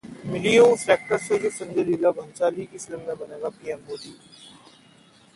मिलिए उस एक्टर से जो संजय लीला भंसाली की फिल्म में बनेगा पीएम मोदी